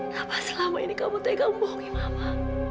kenapa selama ini kamu tegang bohongi mama